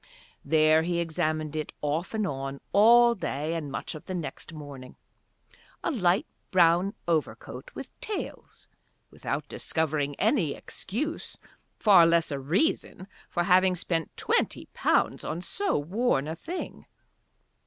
There he examined it, off and on, all day and much of the next morning, a light brown overcoat with tails, without discovering any excuse, far less a reason, for having spent twenty pounds on so worn a thing.